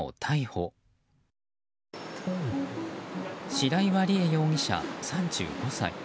白岩理慧容疑者、３５歳。